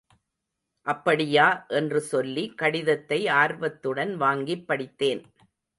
அப்படியா என்று சொல்லி கடிதத்தை ஆர்வத்துடன் வாங்கிப் படித்தேன்.